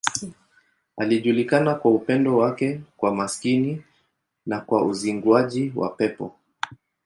Alijulikana kwa upendo wake kwa maskini na kwa uzinguaji wa pepo.